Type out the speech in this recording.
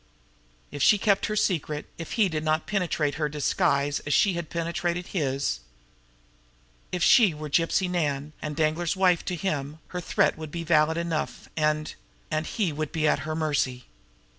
If she kept her secret, if he did not penetrate her disguise as she had penetrated his, if she were Gypsy Nan and Danglar's wife to him, her threat would be valid enough, and and he would be at her mercy!